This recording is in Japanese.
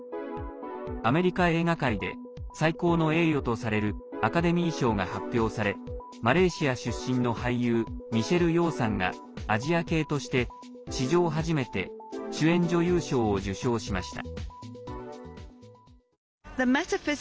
アメリカ映画界で最高の栄誉とされるアカデミー賞が発表されマレーシア出身の俳優ミシェル・ヨーさんがアジア系として史上初めて主演女優賞を受賞しました。